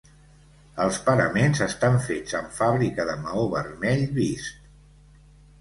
Els paraments estan fets amb fàbrica de maó vermell vist.